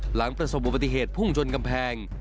หลังประสบอุบัติเหตุพุ่งชนกำแพง